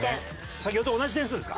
先ほどと同じ点数ですか。